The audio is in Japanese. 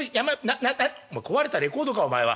「お前壊れたレコードかお前は」。